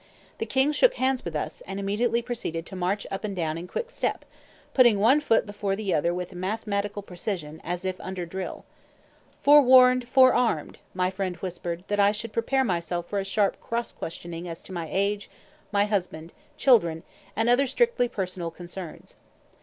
The king shook hands with us, and immediately proceeded to march up and down in quick step, putting one foot before the other with mathematical precision, as if under drill. "Forewarned, forearmed!" my friend whispered that I should prepare myself for a sharp cross questioning as to my age, my husband, children, and other strictly personal concerns.